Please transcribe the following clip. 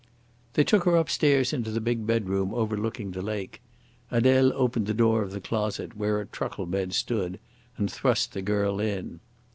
They took her upstairs into the big bedroom overlooking the lake. Adele opened the door of the closet, where a truckle bed stood, and thrust the girl in.